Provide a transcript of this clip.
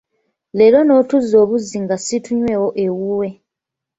Leero n'otuzzi obuzzi nga siitunywewo ewuwe!